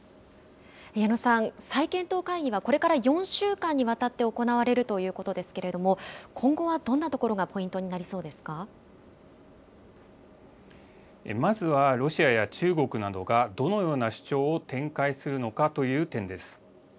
矢野さん、再検討会議はこれから４週間にわたって行われるということですけれども、今後はどんなところがポイントになりそうまずはロシアや中国などが、どのような主張を展開するのかという点です。